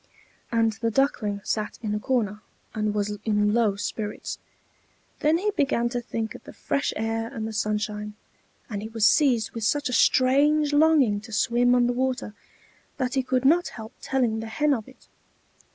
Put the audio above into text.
And the Duckling sat in a corner and was in low spirits; then he began to think of the fresh air and the sunshine; and he was seized with such a strange longing to swim on the water, that he could not help telling the Hen of it.